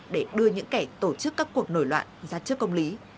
để đưa những kẻ tổ chức các cuộc nổi loạn ra trước công lý